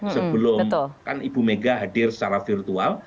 sebelum kan ibu mega hadir secara virtual